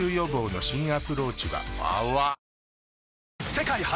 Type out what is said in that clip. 世界初！